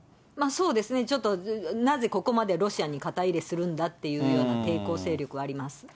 そうですね、なぜここまでロシアに肩入れするんだっていうような抵抗勢力はあります。